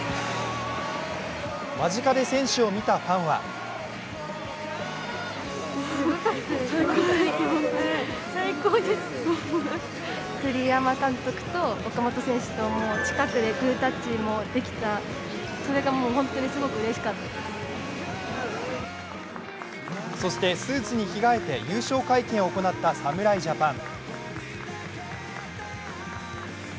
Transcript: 間近で選手を見たファンはそしてスーツに着替えて優勝会見を行った侍ジャパン。